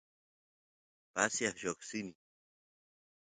pasiaq lloqsini